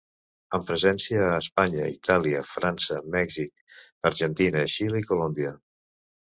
Amb presència a Espanya, Itàlia, França, Mèxic, Argentina, Xile i Colòmbia.